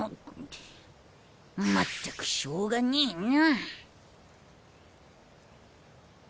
まったくしょうがねえな。